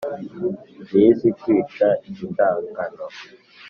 Ntizi kwica indagano